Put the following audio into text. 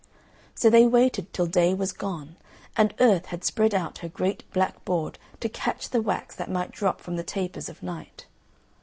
So they waited till Day was gone, and Earth had spread out her great black board to catch the wax that might drop from the tapers of Night.